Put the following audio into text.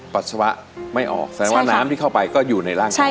ปัสสาวะไม่ออกแสดงว่าน้ำที่เข้าไปก็อยู่ในร่างกาย